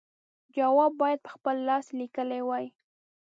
جواب باید په خپل لاس لیکلی وای.